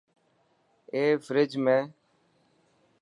اي فريج ۾.